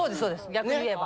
逆に言えば。